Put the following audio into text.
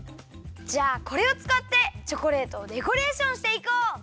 じゃあこれをつかってチョコレートをデコレーションしていこう！